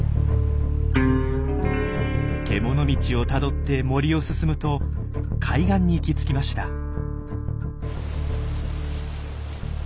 獣道をたどって森を進むと海岸に行き着きました。